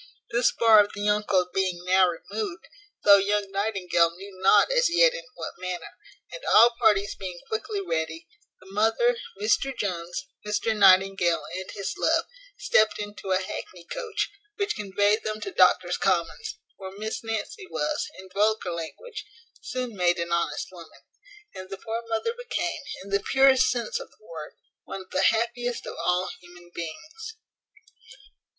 This bar of the uncle being now removed (though young Nightingale knew not as yet in what manner), and all parties being quickly ready, the mother, Mr Jones, Mr Nightingale, and his love, stept into a hackney coach, which conveyed them to Doctors' Commons; where Miss Nancy was, in vulgar language, soon made an honest woman, and the poor mother became, in the purest sense of the word, one of the happiest of all human beings.